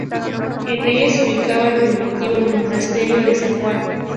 En ella se ubicaba el primitivo monasterio de San Juan.